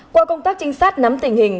qua công tác trinh sát nắm tình hình